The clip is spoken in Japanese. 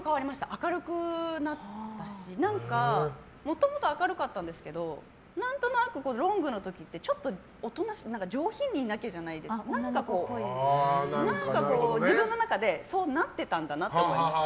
明るくなったしもともと明るかったんですけど何となくロングの時ってちょっと上品にいなきゃじゃないですけど何かこう自分の中でそうなってたんだなって思いました。